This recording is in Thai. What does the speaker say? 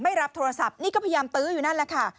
ไม่รับโทรศัพท์นี่ก็พยายามตื้ออยู่นั่นแหละค่ะ